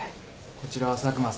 こちらは佐久間さん。